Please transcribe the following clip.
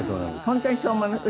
本当にそう思います。